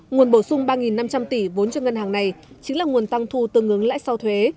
nguồn bổ sung ba năm trăm linh tỷ vốn cho ngân hàng này chính là nguồn tăng thu tương ứng lãi sau thuế